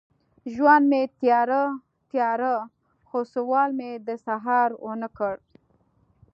ژوند مې تیاره، تیاره، خو سوال مې د سهار ونه کړ